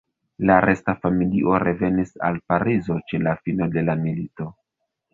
La resta familio revenis al Parizo ĉe la fino de la milito.